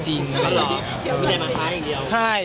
เหรอมีใครมาทำอย่างเดียว